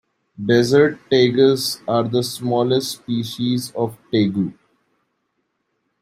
Desert tegus are the smallest species of tegu.